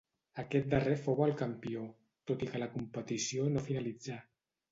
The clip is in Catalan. Aquest darrer fou el campió, tot i que la competició no finalitzà.